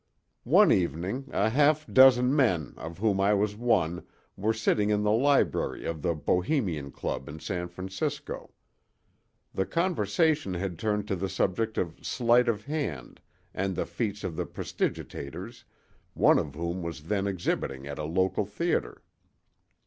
One evening a half dozen men of whom I was one were sitting in the library of the Bohemian Club in San Francisco. The conversation had turned to the subject of sleight of hand and the feats of the prestidigitateurs, one of whom was then exhibiting at a local theatre.